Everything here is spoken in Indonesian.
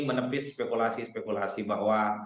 menepis spekulasi spekulasi bahwa